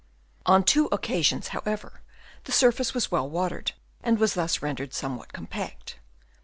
On two occasions, however, the surface was well watered, and was thus rendered some what compact.